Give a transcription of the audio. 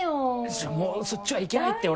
ちょもうそっちはいけないって俺。